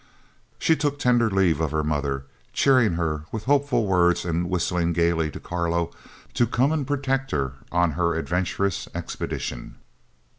She took tender leave of her mother, cheering her with hopeful words and whistling gaily to Carlo to come and protect her on her adventurous expedition.